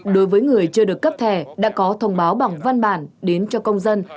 đối với người chưa được cấp thẻ đã có thông báo bằng văn bản đến cho công dân